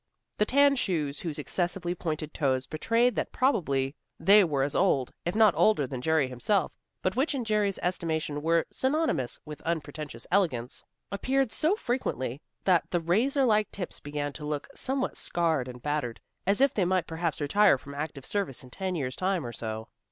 The tan shoes, whose excessively pointed toes betrayed that probably they were as old, if not older than Jerry himself, but which in Jerry's estimation were synonymous with unpretentious elegance, appeared so frequently that the razor like tips began to look somewhat scarred and battered, as if they might perhaps retire from active service in ten years' time, or so.